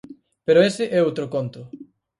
Pero ese é outro conto.